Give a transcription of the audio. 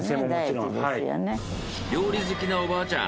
料理好きなおばあちゃん。